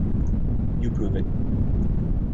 You prove it.